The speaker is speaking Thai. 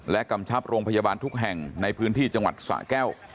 กำชับโรงพยาบาลทุกแห่งในพื้นที่จังหวัดสะแก้ว